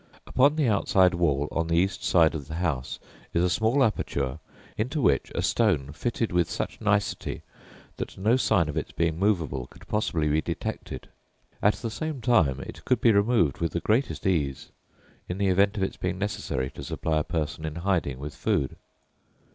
Upon the outside wall on the east side of the house is a small aperture into which a stone fitted with such nicety that no sign of its being movable could possibly be detected; at the same time, it could be removed with the greatest ease in the event of its being necessary to supply a person in hiding with food.